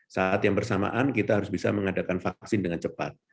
saat yang bersamaan kita harus bisa mengadakan vaksin dengan cepat